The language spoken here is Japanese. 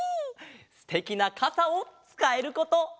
すてきなかさをつかえること。